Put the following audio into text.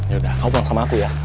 yaudah kamu pulang sama aku ya